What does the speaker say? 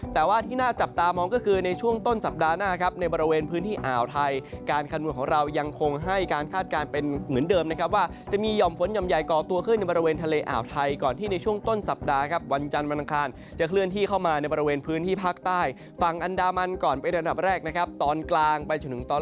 แต่ว่าที่น่าจับตามองก็คือในช่วงต้นสัปดาห์หน้าครับในบริเวณพื้นที่อ่าวไทยการขนวดของเรายังคงให้การคาดการณ์เป็นเหมือนเดิมนะครับว่าจะมียอมฝนยอมใหญ่ก่อตัวขึ้นในบริเวณทะเลอ่าวไทยก่อนที่ในช่วงต้นสัปดาห์ครับวันจันทร์มันทางคลานจะเคลื่อนที่เข้ามาในบริเวณพื้นที่ภาคใต